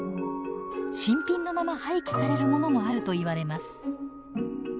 新品のまま廃棄されるものもあるといわれます。